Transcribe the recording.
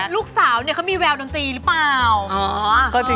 ลูกสาวเค้ามีแววดนตรีหรือเปล่า